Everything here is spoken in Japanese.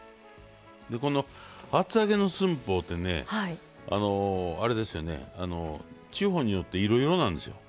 でこの厚揚げの寸法ってね地方によっていろいろなんですよ。